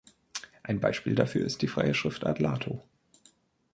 Ein Beispiel dafür ist die freie Schriftart Lato.